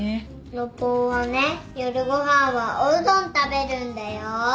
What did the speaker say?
信男はね夜ご飯はおうどん食べるんだよ。